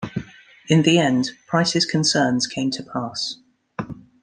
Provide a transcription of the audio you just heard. In the end, Price's concerns came to pass.